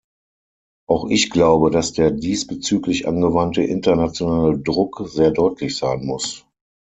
Auch ich glaube, dass der diesbezüglich angewandte internationale Druck sehr deutlich sein muss.